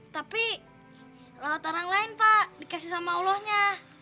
tapi lewat orang lain pak dikasih sama allahnya